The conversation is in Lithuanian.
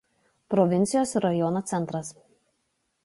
Provincijos ir rajono centras.